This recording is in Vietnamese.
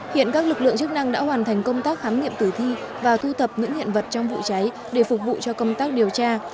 hiện các lực lượng chức năng đã hoàn thành công tác khám nghiệm tử thi và thu thập những hiện vật trong vụ cháy để phục vụ cho công tác điều tra